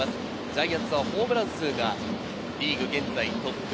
ジャイアンツはホームラン数がリーグ現在トップ。